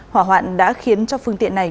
hỏa hoạn đã khiến cho phương tiện này